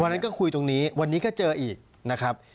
นั้นก็คุยตรงนี้วันนี้ก็เจออีกนะครับ